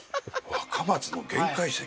若松の玄界石？